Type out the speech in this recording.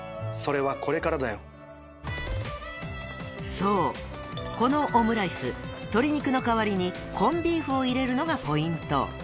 ［そうこのオムライス鶏肉の代わりにコンビーフを入れるのがポイント］